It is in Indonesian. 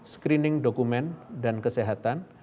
screening dokumen dan kesehatan